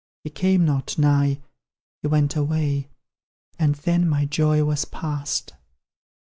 He came not nigh he went away And then my joy was past.